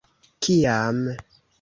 kiam